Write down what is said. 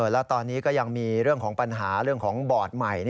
แล้วตอนนี้ก็ยังมีเรื่องของปัญหาเรื่องของบอร์ดใหม่